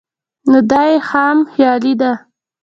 نو دا ئې خام خيالي ده